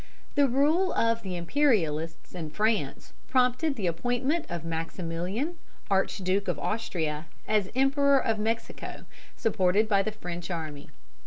The rule of the Imperialists in France prompted the appointment of Maximilian, Archduke of Austria, as Emperor of Mexico, supported by the French army.